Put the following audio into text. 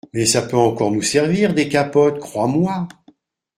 Mais ça peut encore nous servir, des capotes, crois-moi !